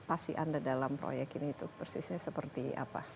atau yang masih ada dalam proyek ini itu persisnya seperti apa